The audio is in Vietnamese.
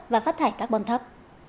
và phát thải các bòn thấp